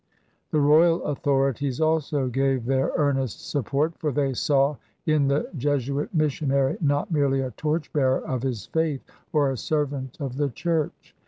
The royal authorities also gave their earnest support, for they saw in the Jesuit missionary not merely a torchbearer of his faith or a servant of the Church.